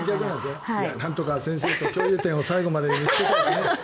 なんとか先生と、共有点を最後までに見つけたいね。